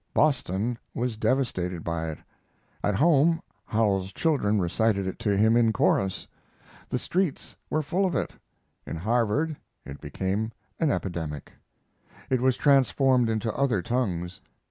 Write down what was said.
Boston was devastated by it. At home, Howells's children recited it to him in chorus. The streets were full of it; in Harvard it became an epidemic. It was transformed into other tongues.